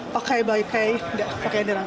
pakai baik baik pakai yang dirang